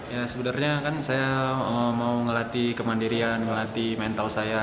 ya sebenarnya kan saya mau ngelatih kemandirian ngelatih mental saya